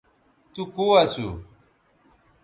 تو کو اسو